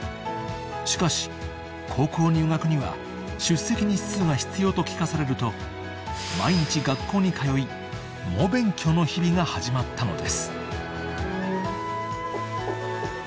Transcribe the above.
［しかし高校入学には出席日数が必要と聞かされると毎日学校に通い猛勉強の日々が始まったのです］